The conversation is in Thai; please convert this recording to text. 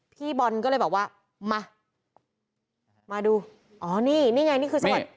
พี่บอลก็เลยบอกว่ามามาดูอ๋อนี่นี่ไงนี่คือจังหวัด